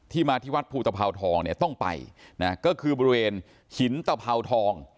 มาที่วัดภูตภาวทองเนี่ยต้องไปนะก็คือบริเวณหินตะเภาทอง